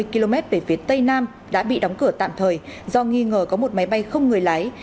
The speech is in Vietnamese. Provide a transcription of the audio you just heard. một mươi km về phía tây nam đã bị đóng cửa tạm thời do nghi ngờ có một máy bay không người lái